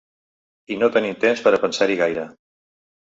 I no tenim temps per a pensar-hi gaire.